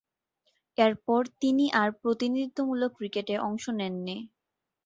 এরপর তিনি আর প্রতিনিধিত্বমূলক ক্রিকেটে অংশ নেননি।